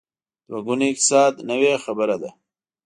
دوه ګونی اقتصاد نوې خبره ده.